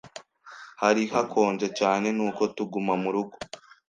Hari hakonje cyane, nuko tuguma murugo.